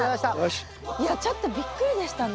いやちょっとびっくりでしたね。